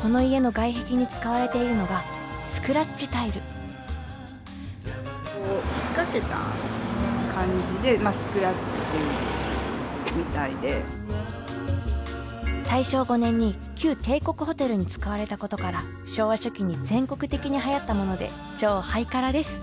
この家の外壁に使われているのが大正５年に旧帝国ホテルに使われたことから昭和初期に全国的にはやったもので超ハイカラです。